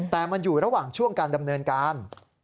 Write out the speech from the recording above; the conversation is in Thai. แต่มันอยู่ระหว่างช่วงการดำเนินการ